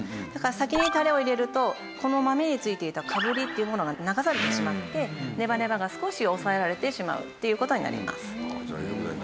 だから先にタレを入れるとこの豆に付いていたかぶりっていうものが流されてしまってネバネバが少し抑えられてしまうっていう事になります。